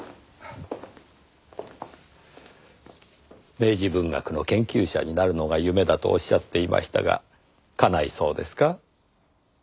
明治文学の研究者になるのが夢だとおっしゃっていましたが叶いそうですか？